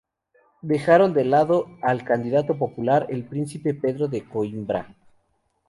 Dejaron de lado al candidato popular, el príncipe Pedro de Coímbra.